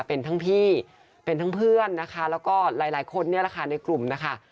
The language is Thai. เป็นทั้งพี่เป็นทั้งเพื่อนนะคะแล้วก็หลายคนในกลุ่มนะคะ